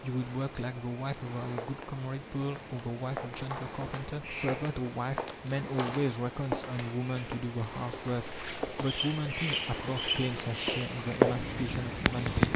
You would work like the wife of our good comrade Paul or the wife of John the carpenter?" Servant or wife, man always reckons on woman to do the house work. But woman, too, at last claims her share in the emancipation of humanity.